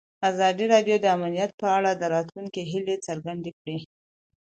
ازادي راډیو د امنیت په اړه د راتلونکي هیلې څرګندې کړې.